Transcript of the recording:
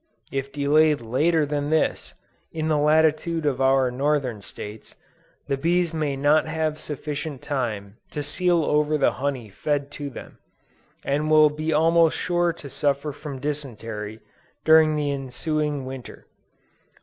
If delayed later than this, in the latitude of our Northern States, the bees may not have sufficient time to seal over the honey fed to them, and will be almost sure to suffer from dysentery, during the ensuing Winter.